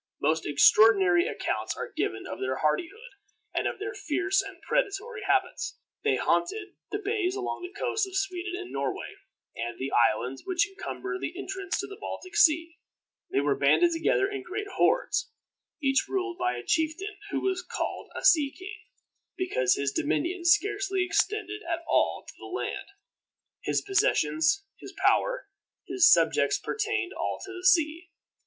Most extraordinary accounts are given of their hardihood, and of their fierce and predatory habits. They haunted the bays along the coasts of Sweden and Norway, and the islands which encumber the entrance to the Baltic Sea. They were banded together in great hordes, each ruled by a chieftain, who was called a sea king, because his dominions scarcely extended at all to the land. His possessions, his power, his subjects pertained all to the sea.